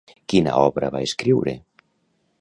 Quina obra va escriure?